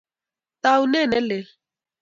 Taunet nelel